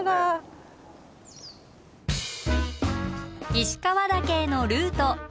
石川岳へのルート。